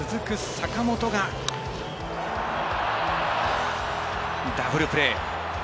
坂本がダブルプレー。